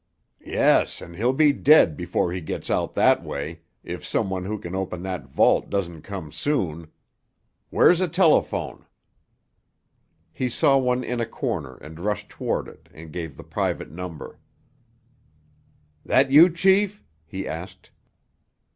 "Yes, and he'll be dead before he gets out that way, if some one who can open that vault doesn't come soon. Where's a telephone?" He saw one in a corner, and rushed toward it and gave the private number. "That you, chief?" he asked.